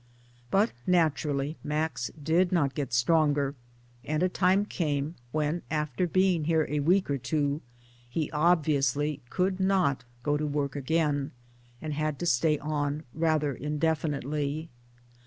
But naturally Max did not get stronger and a time came when after being here a week or two he obviously could not go to work a.gain and had to stay on rather indefinitely.